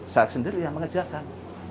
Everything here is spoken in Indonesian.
saya sendiri yang mengejarkan